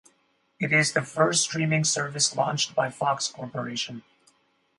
It is the first streaming service launched by Fox Corporation.